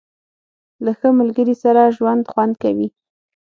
• له ښه ملګري سره ژوند خوند کوي.